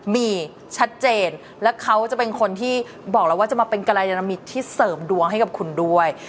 มีชัดเจนและเขาจะเป็นคนที่บอกแล้วว่าจะมาเป็นกรยานมิตรที่เสริมดวงให้กับคุณด้วย